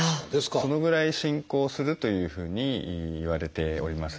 そのぐらい進行するというふうにいわれております。